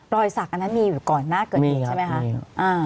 รอยสักอันนั้นมีอยู่ก่อนหน้าเกิดเหตุใช่ไหมคะ